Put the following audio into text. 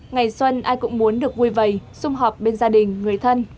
ngày xuân ai cũng muốn được vui vầy xung họp bên gia đình người thân